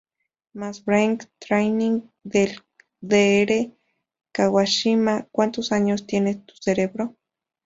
Más Brain Training del Dr. Kawashima ¿Cuántos años tiene tu cerebro?